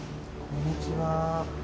こんにちは。